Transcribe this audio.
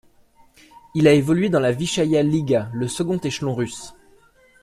Il a évolué dans la Vyschaïa Liga, le second échelon russe.